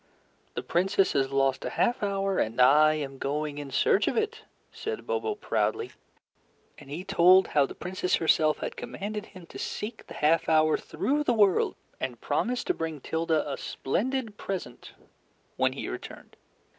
"The Princess has lost a half hour and I am going in search of it," said Bobo, proudly. And he told how the Princess herself had commanded him to seek the half hour through the world, and promised to bring Tilda a splendid present when he returned.